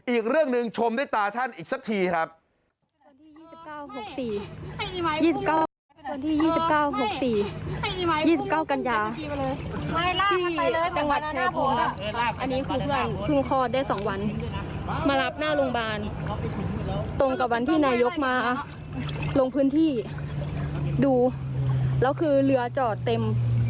อีกเรื่องหนึ่งชมด้วยตาท่านอีกสักทีครับ